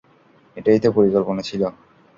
এটাই তো পরিকল্পনা ছিলো!